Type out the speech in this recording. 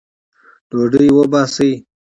ډوډۍ وباسئ